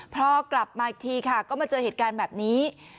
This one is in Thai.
พอกลับมาอีกทีค่ะก็มาเจอเหตุการณ์แบบนี้